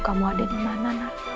kamu ada dimana